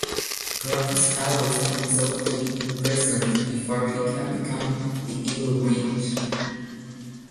Crocus allows himself to be imprisoned before he can become the Evil Mage.